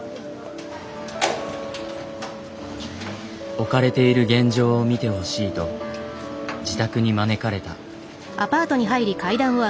置かれている現状を見てほしいと自宅に招かれた。